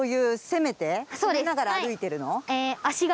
攻めながら歩いてるの？